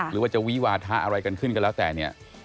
หรือว่าจะวิวาทะอะไรกันขึ้นก็แล้วแต่เนี่ย